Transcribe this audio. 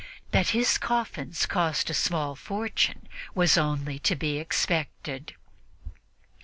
That his coffins cost a small fortune was only to be expected.